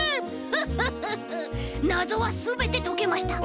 フッフッフッフなぞはすべてとけました！